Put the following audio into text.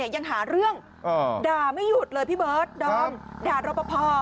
ยังหาเรื่องด่าไม่หยุดเลยพี่เบิร์ดดอมด่ารอปภ